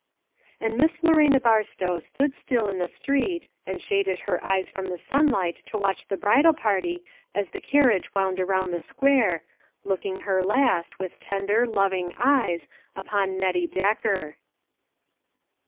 And Miss Lorena Barstow stood still in the street, and shaded her eyes from the sunlight to watoh the bridal party as the carriage wound around the square, looking her last with tender, loving eyes, upon Nettie Decker.